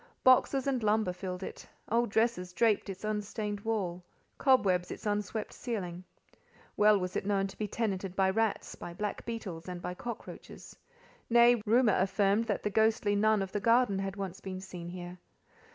Boxes and lumber filled it; old dresses draped its unstained wall—cobwebs its unswept ceiling. Well was it known to be tenanted by rats, by black beetles, and by cockroaches—nay, rumour affirmed that the ghostly Nun of the garden had once been seen here.